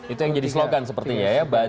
itu yang jadi slogan sepertinya ya